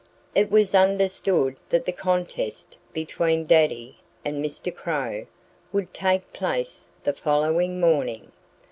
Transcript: It was understood that the contest between Daddy and Mr. Crow would take place the following morning.